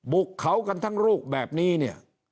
บุกเขากันทั้งลูกแบบนี้เนี่ย